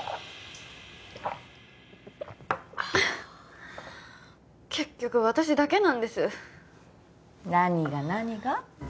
あ結局私だけなんです何が何が？